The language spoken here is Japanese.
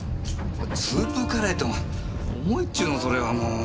スープカレーってお前重いっちゅーのそれはもう。